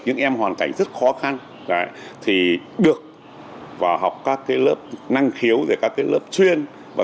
những em hoàn cảnh rất khó khăn thì được vào học các cái lớp năng khiếu các cái lớp chuyên và